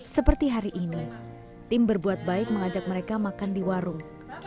seperti hari ini tim berbuat baik mengajak mereka makan di warung